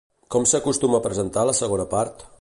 Com s'acostuma a presentar la segona part?